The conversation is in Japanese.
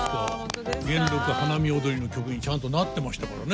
「元禄花見踊」の曲にちゃんとなってましたからね。